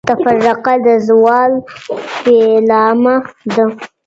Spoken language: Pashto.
تفرقه د زوال پیلامه ده.